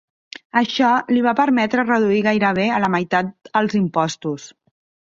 Això li va permetre reduir gairebé a la meitat els impostos.